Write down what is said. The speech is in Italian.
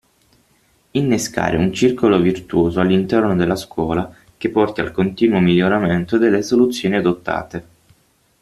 Innescare un circolo virtuoso all'interno della scuola che porti al continuo miglioramento delle soluzioni adottate.